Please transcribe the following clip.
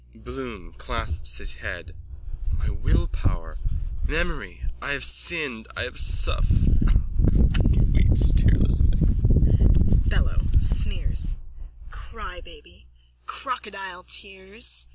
BLOOM: (Clasps his head.) My willpower! Memory! I have sinned! I have suff... (He weeps tearlessly.) BELLO: (Sneers.) Crybabby! Crocodile tears!